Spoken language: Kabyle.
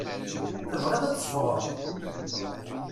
Tebɣiḍ ad teffɣeḍ?